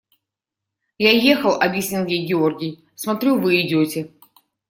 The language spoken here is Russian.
– Я ехал, – объяснил ей Георгий, – смотрю, вы идете.